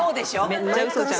めっちゃウソじゃん。